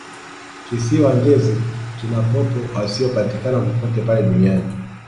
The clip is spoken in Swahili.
kisiwa ngezi kina popo wasiyopatikana popote pale duniani